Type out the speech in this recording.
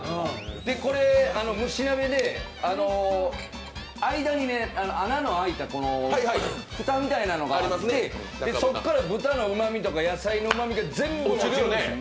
これ蒸し鍋で、間に穴の開いた蓋みたいなのがあって、そっから豚のうまみとか野菜のうまみが全部落ちるんです。